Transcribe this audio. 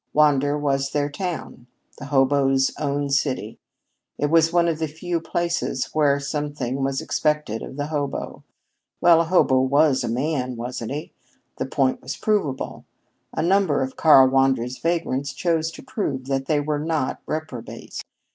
Wander was their town the hoboes' own city. It was one of the few places where something was expected of the hobo. Well, a hobo was a man, wasn't he? The point was provable. A number of Karl Wander's vagrants chose to prove that they were not reprobates.